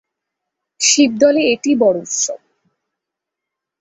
শিবদ’লে এটিই বড়ো উৎসব।